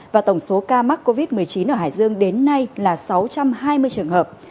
và tổng số ca mắc covid một mươi chín ở hải dương đến nay là sáu trăm hai mươi trường hợp